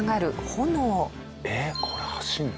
えっこれ走るの。